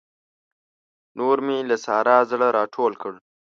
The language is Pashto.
نور مې له سارا زړه راټول کړ.